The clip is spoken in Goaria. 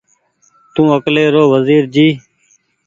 تو اڪلي رو وزير جي